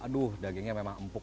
aduh dagingnya memang empuk